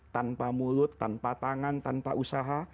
tanpa mulut tanpa tangan tanpa usaha